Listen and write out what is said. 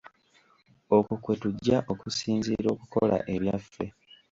Okwo kwe tujja okusinziira okukola ebyaffe.